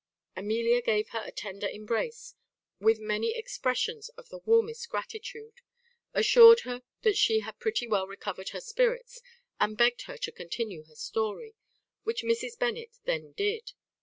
Amelia gave her a tender embrace, with many expressions of the warmest gratitude; assured her she had pretty well recovered her spirits, and begged her to continue her story, which Mrs. Bennet then did.